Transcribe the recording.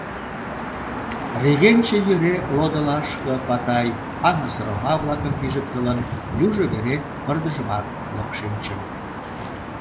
Регенче йӧре лодылашке Патай аҥысыр оҥа-влакым пижыктылын, южо вере пырдыжымат локшинчын.